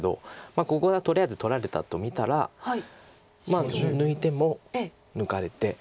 ここがとりあえず取られたと見たら抜いても抜かれて。